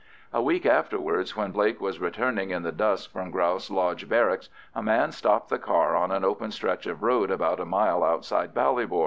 A week afterwards, when Blake was returning in the dusk from Grouse Lodge Barracks, a man stopped the car on an open stretch of road about a mile outside Ballybor.